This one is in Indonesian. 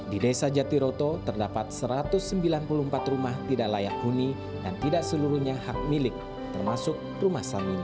di desa jatiroto terdapat satu ratus sembilan puluh empat rumah tidak layak huni dan tidak seluruhnya hak milik termasuk rumah samini